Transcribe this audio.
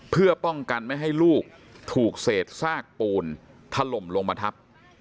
เพื่อป้องกันไม่ให้ลูกถูกเศษซากปูนถล่มลงมาทับ